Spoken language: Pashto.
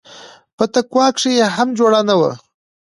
په تقوا کښې يې هم جوړه نه وه.